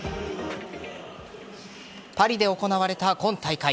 パリで行われた今大会。